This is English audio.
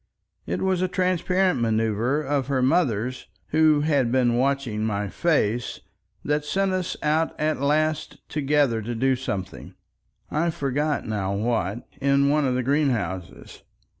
It was a transparent manoeuver of her mother's who had been watching my face, that sent us out at last together to do something—I forget now what—in one of the greenhouses.